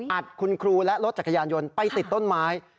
คุณครูและรถจักรยานยนต์ไปติดต้นไม้